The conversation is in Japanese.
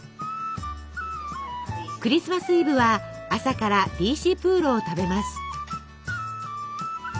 クリスマスイブは朝からリーシプーロを食べます。